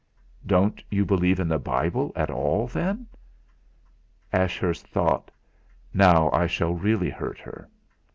"Don't you believe in the Bible at all, then?" Ashurst thought: 'Now I shall really hurt her!'